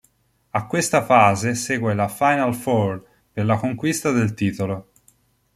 A questa fase segue la Final Four per la conquista del titolo.